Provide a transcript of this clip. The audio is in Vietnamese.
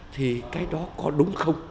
thì cái đó có đúng không